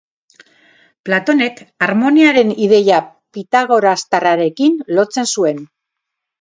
Platonek, harmoniaren ideia pitagorastarrarekin lotzen zuen.